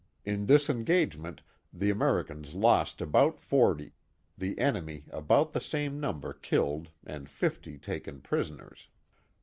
In this engagement the Americans lost about forty; the enemy about the same number killed and fifty taken prisoners.